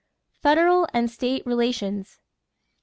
=Federal and State Relations.